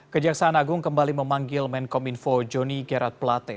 kejaksaan agung kembali memanggil menkominfo joni gerard plate